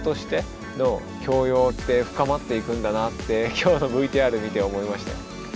今日のＶＴＲ見て思いましたよ。